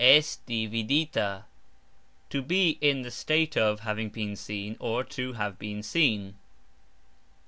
Esti vidita ................. To be (in the state of) having been seen, or, to have been seen.